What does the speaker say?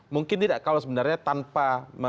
mungkin tidak kalau sebenarnya tanpa